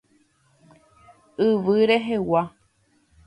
Yvy rehegua.